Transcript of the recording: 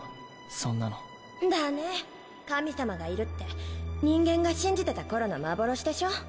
そんなのだね神様がいるって人間が信じてた頃の幻でし